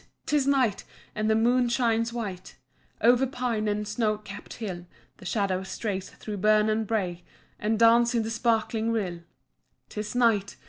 'tis night! and the moon shines white Over pine and snow capped hill; The shadows stray through burn and brae And dance in the sparkling rill. "'Tis night!